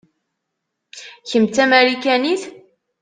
Kemm d tamarikanit?